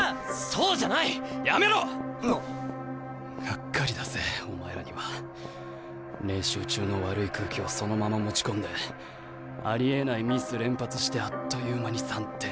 がっかりだぜお前らには。練習中の悪い空気をそのまま持ち込んでありえないミス連発してあっという間に３点。